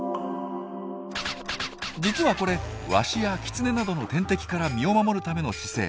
実はこれワシやキツネなどの天敵から身を守るための姿勢。